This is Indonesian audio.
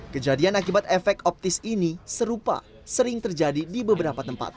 kejadian akibat efek optis ini serupa sering terjadi di beberapa tempat